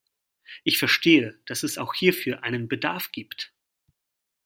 Ich verstehe, dass es auch hierfür einen Bedarf gibt.